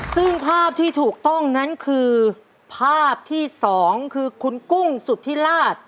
ซึ่งภาพที่ถูกต้องนั้นคือภาพที่๒คือคุณกุ้งสุธิราช